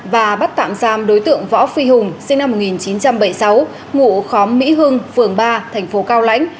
và bắt tạm giam đối tượng võ phi hùng sinh năm một nghìn chín trăm bảy mươi sáu ngụ khóm mỹ hưng phường ba thành phố cao lãnh